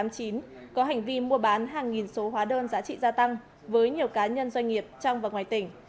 có hành vi mua bán hàng nghìn số hóa đơn giá trị gia tăng với nhiều cá nhân doanh nghiệp trong và ngoài tỉnh